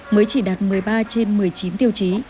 mới chỉ đạt một mươi ba trên một mươi chín tiêu chí